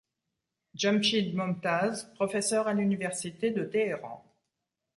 Djamchid Momtaz, professeur à l'Université de Téhéran.